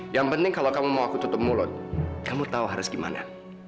yang penting kalau kamu mau aku tutup mulut kamu tahu harus gimana